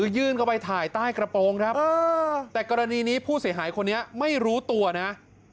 ยื่นเข้าไปถ่ายใต้กระโปรงครับแต่กรณีนี้ผู้เสียหายคนนี้ไม่รู้ตัวนะ